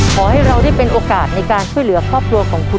ขอให้เราได้เป็นโอกาสในการช่วยเหลือครอบครัวของคุณ